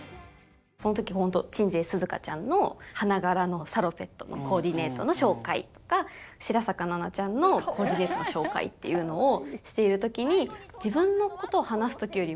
その時ほんと鎮西寿々歌ちゃんの花柄のサロペットのコーディネートの紹介とか白坂奈々ちゃんのコーディネートの紹介っていうのをしている時にこれなんすよね